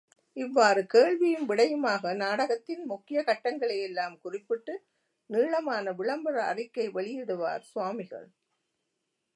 இவ்வாறு கேள்வியும், விடையுமாக நாடகத்தின் முக்கிய கட்டங்களைப்பற்றியெல்லாம் குறிப்பிட்டு, நீளமான விளம்பர அறிக்கை வெளியிடுவார் சுவாமிகள்.